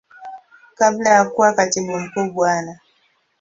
Kabla ya kuwa Katibu Mkuu Bwana.